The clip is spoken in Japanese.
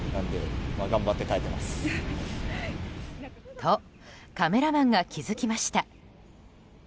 と、カメラマンが気付きました。